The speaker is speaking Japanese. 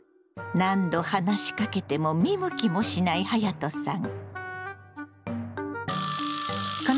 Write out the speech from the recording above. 何度話しかけても見向きもしないはやとさん。